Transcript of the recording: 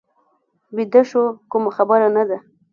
بیده شو، کومه خبره نه ده.